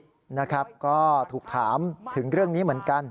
นะครับก็ถูกถามถึงเรื่องนี้เหมือนกัน